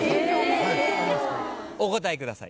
お答えください。